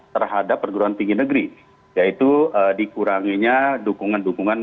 terhadap perguruan tinggi negeri yaitu dikuranginya dukungan dukungan